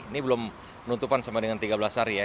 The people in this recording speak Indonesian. ini belum penutupan sampai dengan tiga belas hari ya